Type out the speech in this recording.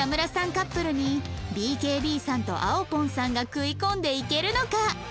カップルに ＢＫＢ さんとあおぽんさんが食い込んでいけるのか？